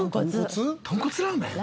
豚骨ラーメン？